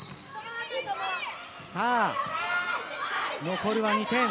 残るは２点。